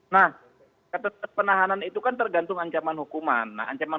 nah kata penahanan itu kan tergantung ancaman hukuman